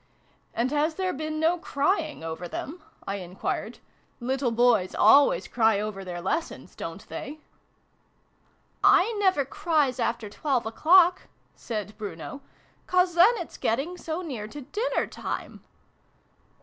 " And has there been no crying over them ?" I enquired. " Little boys always cry over their lessons, don't they ?" i] BRUNO'S LESSONS. 17 " I never cries after twelve o'clock," said Bruno: "'cause then it's getting so near to dinner time."